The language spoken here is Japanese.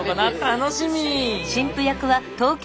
楽しみ！